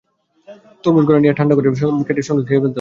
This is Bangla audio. তরমুজ ঘরে নিয়ে ঠান্ডা করে কেটে সঙ্গে সঙ্গে খেয়ে ফেলতে হবে।